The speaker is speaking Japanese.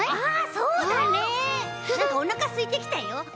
あそうだね！なんかおなかすいてきたよ。